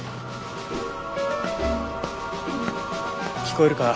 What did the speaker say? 聞こえるか？